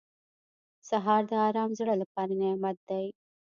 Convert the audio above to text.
سهار د ارام زړه لپاره نعمت دی.